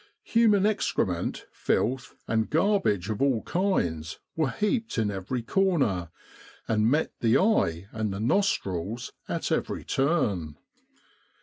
Human excrement, filth and garbage of all kinds, were heaped in every corner, and met the eye and the nostrils at every turn.